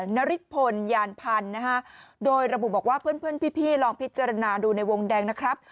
นาริสพลยานพันธุ์นะฮะโดยระบุบอกว่าเพื่อนพี่ลองพิจารณาดูในวงแดงนะครับ